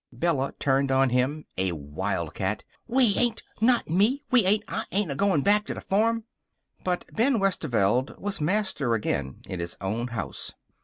Bella turned on him, a wildcat. "We ain't! Not me! We ain't! I'm not agoin' back to the farm." But Ben Westerveld was master again in his own house.